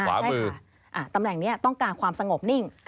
ใช่ค่ะตำแหน่งนี้ต้องการความสงบนิ่ง